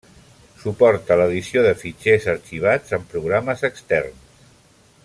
Suporta l'edició de fitxers arxivats amb programes externs.